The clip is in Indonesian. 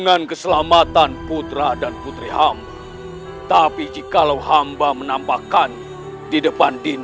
aku takut dia akan khawatir